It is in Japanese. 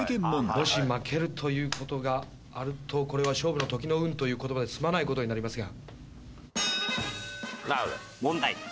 もし負けるという事があるとこれは「勝負の時の運」という言葉で済まない事になりますが。